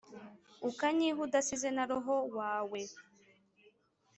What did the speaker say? ukanyiha udasize na roho wawe